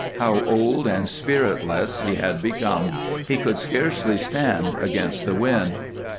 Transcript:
How old and spiritless he had become; he could scarcely stand against the wind!